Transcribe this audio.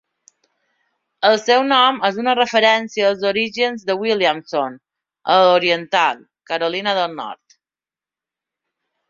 El seu nom és una referència als orígens de Williamson a Oriental, Carolina del Nord.